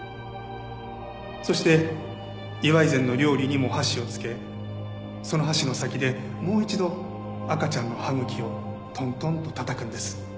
そして祝い膳の料理にも箸をつけその箸の先でもう一度赤ちゃんの歯茎をトントンとたたくんです。